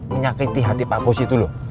menyakiti hati pak bos itu loh